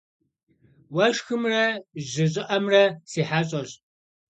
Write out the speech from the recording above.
Уэшхымрэ жьы щӏыӏэмрэ си хьэщӏэщ.